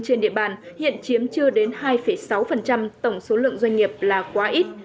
trên địa bàn hiện chiếm chưa đến hai sáu tổng số lượng doanh nghiệp là quá ít